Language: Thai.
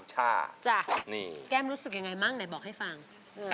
แก้มรู้สึกยังไงบ้างไหนบอกให้ฟัง